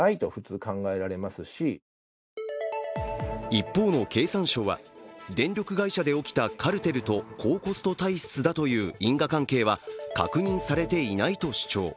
一方の経産省は、電力会社で起きたカルテルと高コスト体質だという因果関係は確認されていないと主張。